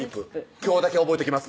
今日だけ覚えときます